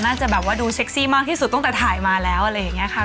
น่าจะแบบว่าดูเซ็กซี่มากที่สุดตั้งแต่ถ่ายมาแล้วอะไรอย่างนี้ค่ะ